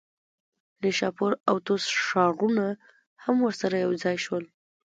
نیشاپور او طوس ښارونه هم ورسره یوځای شول.